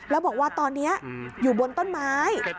แล้วบอกว่าตอนนี้อยู่บนต้นไม้